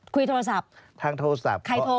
คุยโทรศัพท์ทางโทรศัพท์